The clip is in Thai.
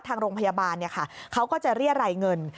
ทางโรงพยาบาลเขาก็จะเรียรายเงิน